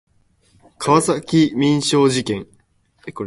川崎民商事件